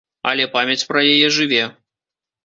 Але памяць пра яе жыве.